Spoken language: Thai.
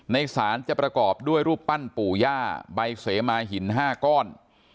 สารจะประกอบด้วยรูปปั้นปู่ย่าใบเสมาหิน๕ก้อน